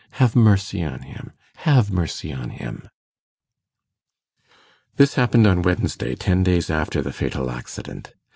Have mercy on him! have mercy on him!' This happened on Wednesday, ten days after the fatal accident.